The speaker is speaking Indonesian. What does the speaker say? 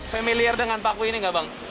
familiar dengan paku ini gak bang